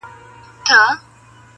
ځان د بل لپاره سوځول زده کړو!